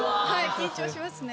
緊張しますね。